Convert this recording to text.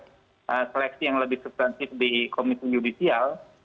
ee seleksi yang lebih subtansif di komisi judisial